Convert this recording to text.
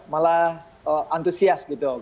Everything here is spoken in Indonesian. malah antusias gitu